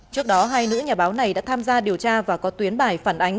trước đó hai nữ nhà báo này đã tham gia điều tra và có tuyến bài phản ánh